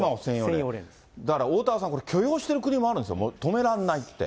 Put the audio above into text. だからおおたわさん、許容している国もあるんですよ、止められないって。